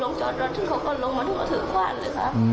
เขายังลงจอดรถแต่ลงมาลุงถือกขว้านเลยค่ะอืม